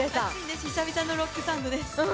久々のロックサウンドです。